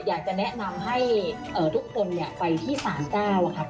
อยากจะแนะนำให้ทุกคนไปที่๓๙นะคะ